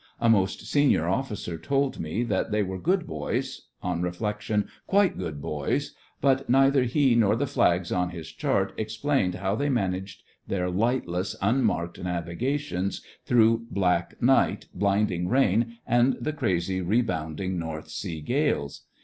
A most senior officer told me that they were "good boys" — on reflection, "quite good boys" — but neither he nor the flags on his chart explained how they managed their lightless, unmarked navigations through black night, blinding rain, and the crazy, rebounding North Sea gales.